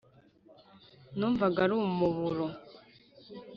numvaga ari umuburo